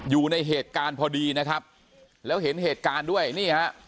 อยู่ในเหตุการณ์พอดีนะครับแล้วเห็นเหตุการณ์ด้วยนี่ฮะ